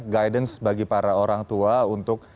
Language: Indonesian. guidance bagi para orang tua untuk